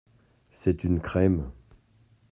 C’est une crème !…